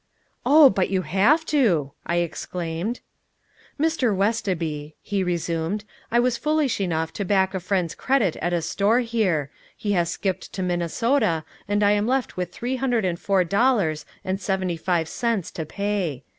"Oh, but you have to," I exclaimed. "Mr. Westoby," he resumed, "I was foolish enough to back a friend's credit at a store here. He has skipped to Minnesota, and I am left with three hundred and four dollars and seventy five cents to pay.